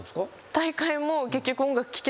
大会も。